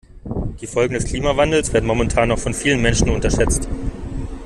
Die Folgen des Klimawandels werden momentan noch von vielen Menschen unterschätzt.